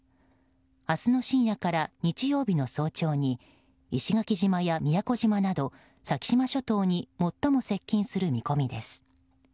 明日の深夜から、日曜日の早朝に石垣島や宮古島など先島諸島に最も接近する見込みです。